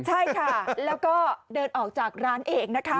ใช่ค่ะแล้วก็เดินออกจากร้านเองนะคะ